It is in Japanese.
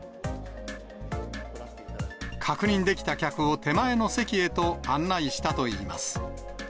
確認できた客を手前の席へと案内したといいます。